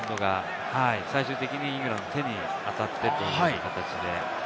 最終的にイングランドの手に当たってという。